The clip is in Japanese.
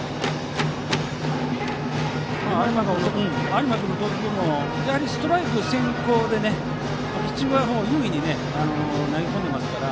有馬君の投球もストライク先行でピッチングは優位に投げ込んでいるので。